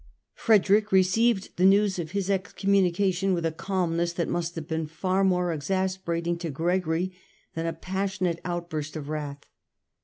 Frederick received the news of his excommunication with a calmness that must have been far more exas perating to Gregory than a passionate outburst of wrath.